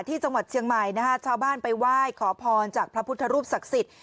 ที่จังหวัดเชียงใหม่นะฮะชาวบ้านไปไหว้ขอพรจากพระพุทธรูปศักดิ์สิทธิ